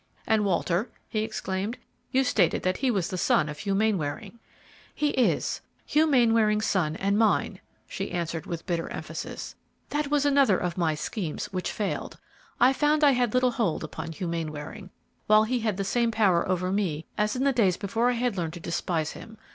"And Walter!" he exclaimed, "you stated that he was the son of Hugh Mainwaring." "He is Hugh Mainwaring's son and mine," she answered, with bitter emphasis; "that was another of my schemes which failed. I found I had little hold upon Hugh Mainwaring, while he had the same power over me as in the days before I had learned to despise him.